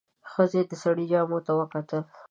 ښځې د سړي جامو ته وکتل.